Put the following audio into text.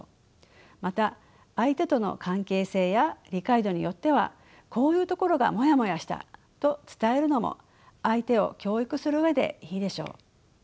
また相手との関係性や理解度によってはこういうところがモヤモヤしたと伝えるのも相手を教育する上でいいでしょう。